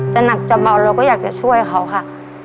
หนักจะเมาเราก็อยากจะช่วยเขาค่ะ